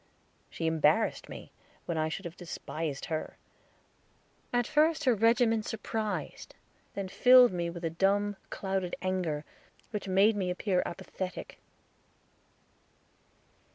She embarrassed me, when I should have despised her. At first her regimen surprised, then filled me with a dumb, clouded anger, which made me appear apathetic.